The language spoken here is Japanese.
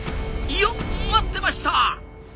いよっ待ってました！